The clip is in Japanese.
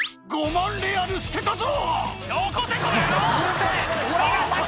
５万レアル捨てたぞ！